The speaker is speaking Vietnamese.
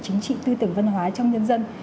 chính trị tư tưởng văn hóa trong nhân dân